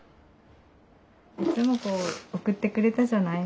いつも送ってくれたじゃない。